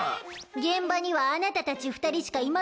現場にはあなたたち２人しかいませんでしたからね。